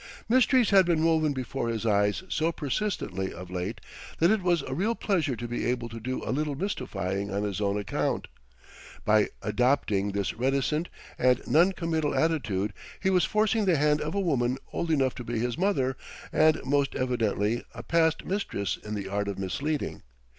Mysteries had been woven before his eyes so persistently, of late, that it was a real pleasure to be able to do a little mystifying on his own account. By adopting this reticent and non committal attitude, he was forcing the hand of a woman old enough to be his mother and most evidently a past mistress in the art of misleading.